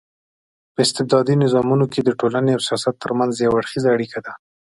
په استبدادي نظامونو کي د ټولني او سياست ترمنځ يو اړخېزه اړيکه ده